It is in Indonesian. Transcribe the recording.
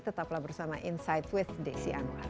tetaplah bersama insight with desi anwar